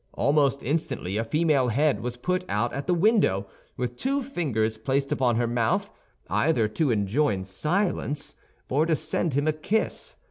Almost instantly a female head was put out at the window, with two fingers placed upon her mouth, either to enjoin silence or to send him a kiss.